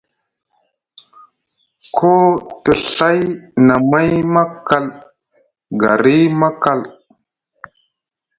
Koo te Ɵay nʼamay maa kal, gari maa kal.